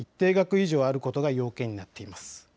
以上あることが要件となっています。